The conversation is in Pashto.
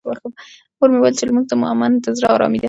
مور مې وویل چې لمونځ د مومن د زړه ارامي ده.